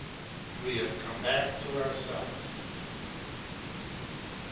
We have come back to ourselves.